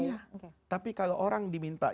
iya tapi kalau orang diminta